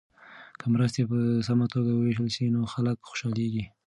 که مرستې په سمه توګه وویشل سي نو خلک خوشحالیږي.